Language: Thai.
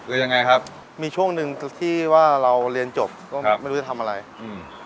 แล้วยังไงครับมีช่วงหนึ่งที่ว่าเราเรียนจบก็ไม่รู้จะทำอะไรอืม